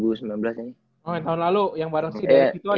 oh yang tahun lalu yang bareng sidiq gitu aja